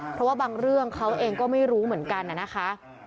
เพราะว่าบางเรื่องเขาเองก็ไม่รู้เหมือนกันนะคะ